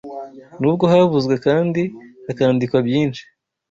Nubwo havuzwe kandi hakandikwa byinshi